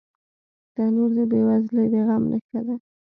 تنور د بې وزلۍ د زغم نښه ده